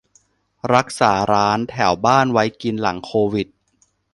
- รักษาร้านแถวบ้านไว้กินหลังโควิด